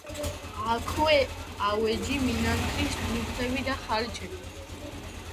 აქვეა ავეჯი, მინანქრის ნივთები და ხალიჩები.